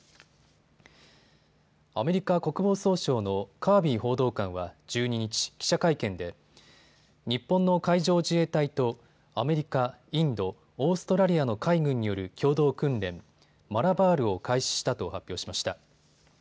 アメリカ国防総省のカービー報道官は１２日、記者会見で日本の海上自衛隊とアメリカ、インド、オーストラリアの海軍による共同訓練、マラバールを開始したと発表しました。